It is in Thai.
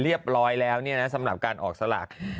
เรียบร้อยแล้วสำหรับการออกสลาก